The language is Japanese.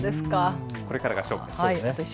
これからが勝負です。